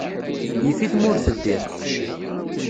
Yif-it ma ur teddiḍ.